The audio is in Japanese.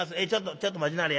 ちょっと待ちなはれや。